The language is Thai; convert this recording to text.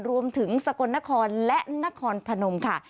รวมถึงสกลนครและนครพนมค่ะ